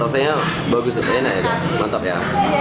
rasanya bagus enak ya mantap ya